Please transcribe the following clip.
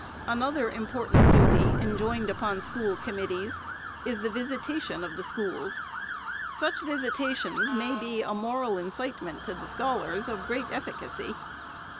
Another important duty enjoined upon school commit tees is the visitation of the schools. Such visitations may be a moral incitement to the scholars, of great efficacy.